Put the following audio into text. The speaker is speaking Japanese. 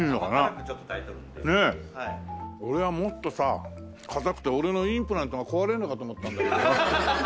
俺はもっとさ硬くて俺のインプラントが壊れるのかと思ったんだけど。